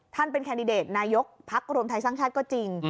เป็นแคนดิเดตนายกพักรวมไทยสร้างชาติก็จริง